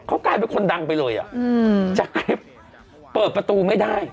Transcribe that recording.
เขากลายเป็นคนดังไปเลยจากคลิปเปิดประตูไม่ได้